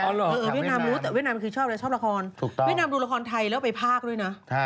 เวียดนามคือชอบอะไรชอบละครเวียดนามดูละครไทยแล้วไปภาคด้วยนะ